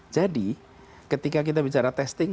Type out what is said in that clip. jadi ketika kita bicara testing